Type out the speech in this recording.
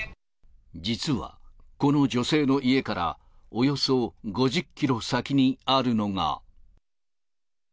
実は、この女性の家からおよそ５０キロ先にあるのが。